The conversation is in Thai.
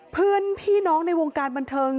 เพื่อนพี่น้องในวงการบันเทิง